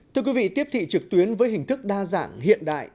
thưa quý vị tiếp thị trực tuyến với hình thức đa dạng hiện đại